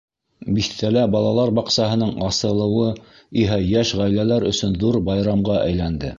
Биҫтәлә балалар баҡсаһының асылыуы иһә йәш ғаиләләр өсөн ҙур байрамға әйләнде.